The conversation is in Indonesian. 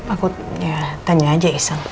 aku ya tanya aja iseng